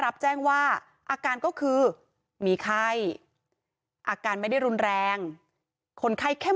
รับแจ้งว่าอาการก็คือมีไข้อาการไม่ได้รุนแรงคนไข้แค่